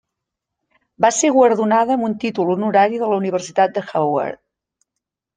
Va ser guardonada amb un títol honorari de la Universitat de Howard.